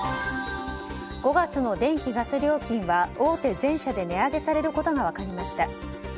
５月の電気・ガス料金は大手全社で値上げされることが分かりました。